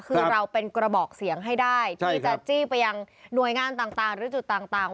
คือเราเป็นกระบอกเสียงให้ได้ที่จะจี้ไปยังหน่วยงานต่างหรือจุดต่าง